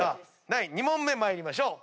第２問目参りましょう。